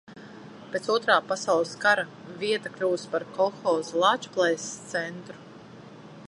"Pēc Otrā pasaules kara vieta kļuvusi par kolhoza "Lāčplēsis" centru."